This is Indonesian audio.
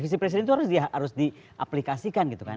visi presiden itu harus diaplikasikan gitu kan